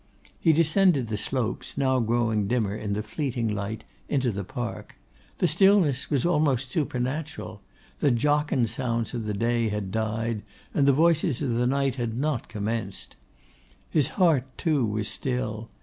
He descended the slopes, now growing dimmer in the fleeting light, into the park. The stillness was almost supernatural; the jocund sounds of day had died, and the voices of the night had not commenced. His heart too was still.